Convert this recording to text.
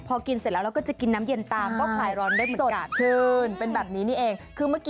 พอกินเสร็จแล้วเราก็จะกินน้ำเย็นตาม